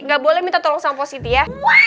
gak boleh minta tolong sama positi ya